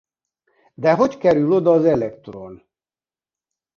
De hogy kerül oda az elektron?